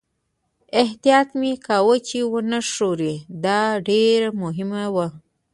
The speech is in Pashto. احتیاط مې کاوه چې و نه ښوري، دا ډېره مهمه وه.